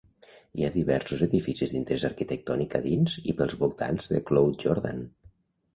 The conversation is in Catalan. Hi ha diversos edificis d'interès arquitectònic a dins i pels voltants de Cloughjordan.